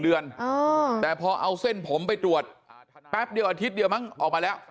เดือนแต่พอเอาเส้นผมไปตรวจแป๊บเดียวอาทิตย์เดียวมั้งออกมาแล้ว